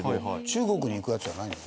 中国に行くやつじゃないの？